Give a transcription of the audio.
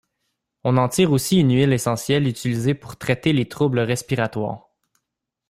On en tire aussi une huile essentielle utilisée pour traiter les troubles respiratoires.